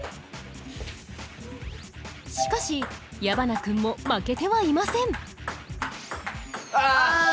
しかし矢花君も負けてはいませんああ！